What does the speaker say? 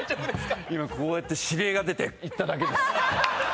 今こうやって指令が出て言っただけです。